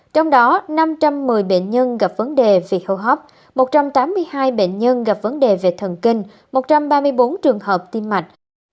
trong đó năm trăm một mươi bệnh nhân gặp vấn đề về hô hấp một trăm tám mươi hai bệnh nhân gặp vấn đề về thần kinh một trăm ba mươi bốn trường hợp tim mạch